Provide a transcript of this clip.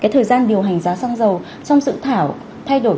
thời gian điều hành giá xăng dầu trong dự thảo thay đổi